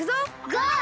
ゴー！